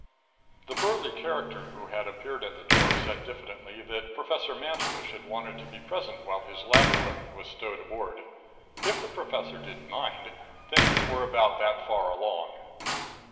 7 The burly character who had appeared at the door said diffidently that Professor Mantelish had wanted to be present while his lab equipment was stowed aboard. If the professor didn't mind, things were about that far along.